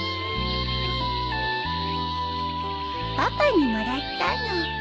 パパにもらったの。